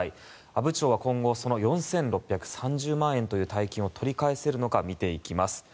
阿武町は今後その４６３０万円という大金を取り返せるのか見ていきます。